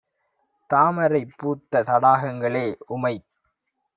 தாமரை பூத்த தடாகங்களே! உமைத்